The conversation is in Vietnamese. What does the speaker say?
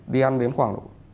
đi ăn đến khoảng